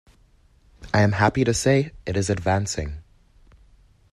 I am happy to say it is advancing.